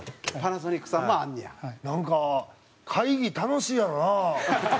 ジュニア：なんか会議、楽しいやろな。